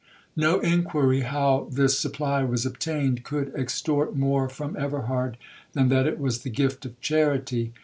No inquiry how this supply was obtained, could extort more from Everhard than that it was the gift of charity.